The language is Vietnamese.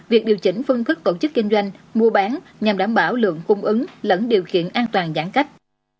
việc điều chỉnh phương thức tổ chức kinh doanh mua bán nhằm đảm bảo lượng cung ứng lẫn điều kiện an toàn giãn cách